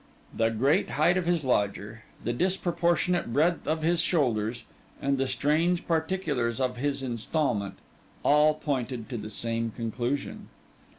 The great height of his lodger, the disproportionate breadth of his shoulders, and the strange particulars of his instalment, all pointed to the same conclusion.